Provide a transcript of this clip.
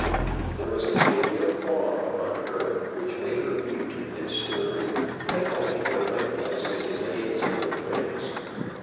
There was a feeling of awe upon her which made her mute, and stern, and altogether unplastic in the hands of her friends.